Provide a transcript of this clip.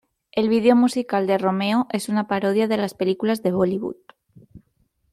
El vídeo musical de "Romeo" es una parodia de las películas de Bollywood.